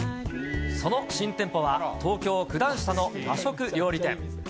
その新店舗は、東京・九段下の和食料理店。